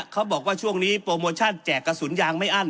เขาบอกว่าช่วงนี้โปรโมชั่นแจกกระสุนยางไม่อั้น